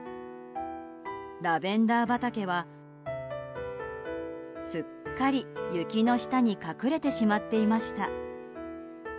ラベンダー畑はすっかり雪の下に隠れてしまっていました。